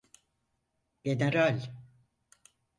General!